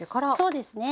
そうですね。